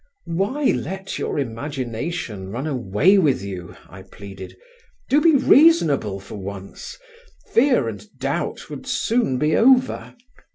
"Why let your imagination run away with you?" I pleaded. "Do be reasonable for once. Fear and doubt would soon be over.